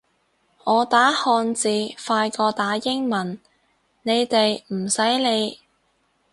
我打漢字快過打英文，你哋唔使理